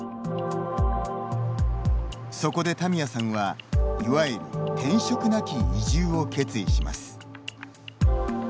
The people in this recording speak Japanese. そこで田宮さんは、いわゆる転職なき移住を決意します。